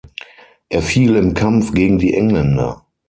Er fiel im Kampf gegen die Engländer.